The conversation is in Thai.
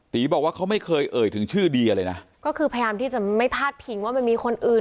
บอกว่าเขาไม่เคยเอ่ยถึงชื่อเดียเลยนะก็คือพยายามที่จะไม่พาดพิงว่ามันมีคนอื่น